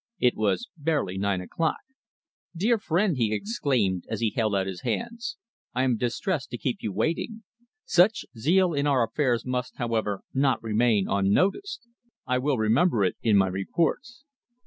It was barely nine o'clock. "Dear friend," he exclaimed, as he held out his hands, "I am distressed to keep you waiting! Such zeal in our affairs must, however, not remain unnoticed. I will remember it in my reports."